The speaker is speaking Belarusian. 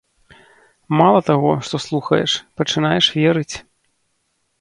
Мала таго, што слухаеш, пачынаеш верыць.